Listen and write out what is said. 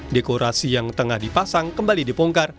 dekorasi yang tengah dipasang kembali dibongkar